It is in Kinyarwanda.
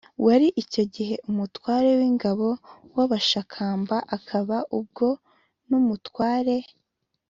wari icyo gihe umutware w’ingabo z’abashakamba; akaba ubwo n’umutware